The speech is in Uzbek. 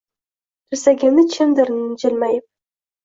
Tirsagimni chimdir jilmayib.